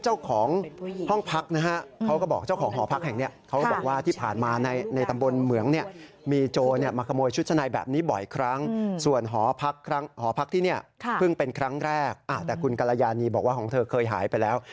หอพักที่นี่เพิ่งเป็นครั้งแรกแต่คุณกรยานีบอกว่าของเธอเคยหายไปแล้ว